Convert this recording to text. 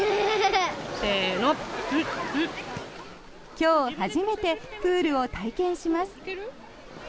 今日、初めてプールを体験します。